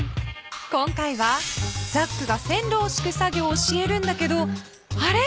今回はザックが線路をしく作業を教えるんだけどあれっ？